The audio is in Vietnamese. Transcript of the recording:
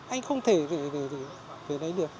anh không thể về đấy được